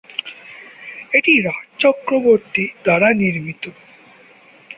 এটি রাজ চক্রবর্তী দ্বারা নির্মিত।